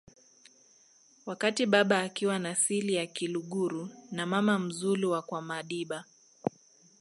wakati baba akiwa na sili ya kiluguru na mama mzulu wa kwamadiba